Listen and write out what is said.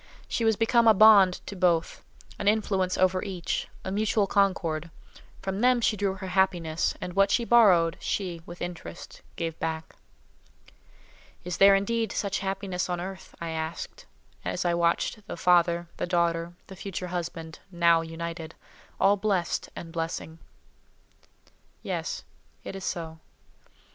She was become a bond to both, an influence over each, a mutual concord. From them she drew her happiness, and what she borrowed, she, with interest, gave back. "Is there, indeed, such happiness on earth?" I asked, as I watched the father, the daughter, the future husband, now united—all blessed and blessing. Yes; it is so.